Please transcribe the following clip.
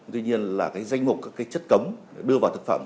tuy nhiên là danh mục các chất cấm đưa vào thực phẩm